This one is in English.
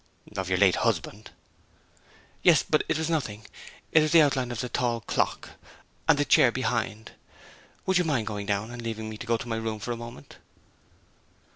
'Of your late husband?' 'Yes. But it was nothing; it was the outline of the tall clock and the chair behind. Would you mind going down, and leaving me to go into my room for a moment?'